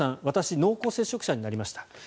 私、濃厚接触者になりました。